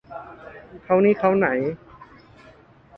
เค้านี่เค้าไหน